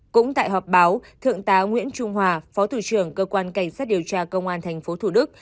cũng tại họp báo thượng tá nguyễn trung hòa phó thủ trưởng cơ quan cảnh sát điều tra công an tp thủ đức